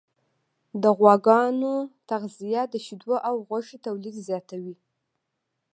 د غواګانو تغذیه د شیدو او غوښې تولید زیاتوي.